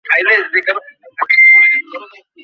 ক্লান্ত হয়ে একসময় একটা লিচুগাছের নিচে আমরা বসলাম।